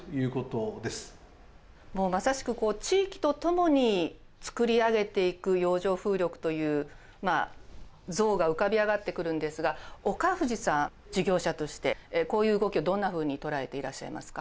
もうまさしく地域と共につくり上げていく洋上風力という像が浮かび上がってくるんですが岡藤さん事業者としてこういう動きをどんなふうに捉えていらっしゃいますか？